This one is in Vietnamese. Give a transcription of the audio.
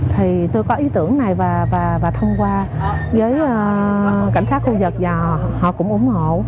thì tôi có ý tưởng này và thông qua với cảnh sát khu vực và họ cũng ủng hộ